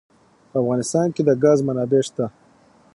په افغانستان کې د ګاز منابع شته.